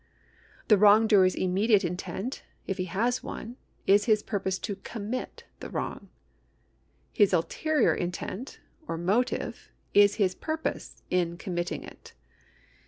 The wrongdoer's immediate intent, if he has one, is his pur pose to cotnmil the wrong ; his ulterior intent, or motive, is his purpose in committing it.